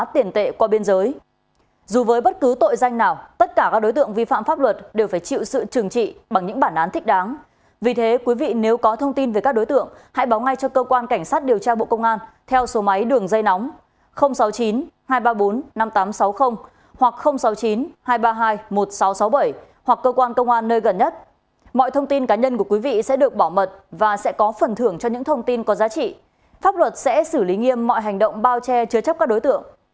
tiền tệ qua biên giới dù với bất cứ tội danh nào tất cả các đối tượng vi phạm pháp luật đều phải chịu sự trừng trị bằng những bản án thích đáng vì thế quý vị nếu có thông tin về các đối tượng hãy báo ngay cho cơ quan cảnh sát điều tra bộ công an theo số máy đường dây nóng sáu mươi chín hai trăm ba mươi bốn năm nghìn tám trăm sáu mươi hoặc sáu mươi chín hai trăm ba mươi hai một nghìn sáu trăm sáu mươi bảy hoặc cơ quan công an nơi gần nhất mọi thông tin cá nhân của quý vị sẽ được bỏ mật và sẽ có phần thưởng cho những thông tin có giá trị pháp luật sẽ xử lý nghiêm mọi hành động bao che chứa chấp các đối tượng